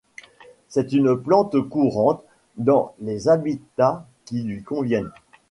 C'est une plante courante dans les habitats qui lui conviennent.